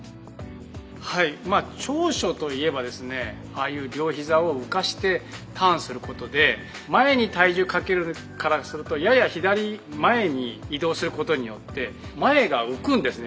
はいまあ長所といえばですねああいう両膝を浮かしてターンすることで前に体重かけるからするとやや左前に移動することによって前が浮くんですね